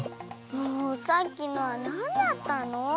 もうさっきのはなんだったの？